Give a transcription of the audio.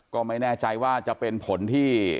ก็ไม่แน่ใจว่าจะเป็นผลที่